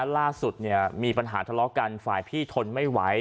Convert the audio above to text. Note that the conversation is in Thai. ล่าสุดมีปัญหาทะเลาะกันฝ่ายพี่ทนไม่ไหว